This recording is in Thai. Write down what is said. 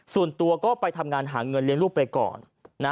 ส่วนตัวก็ไปทำงานหาเงินเลี้ยงลูกไปก่อน